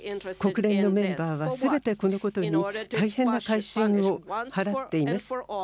国連のメンバーはすべてこのことに大変な関心を払っています。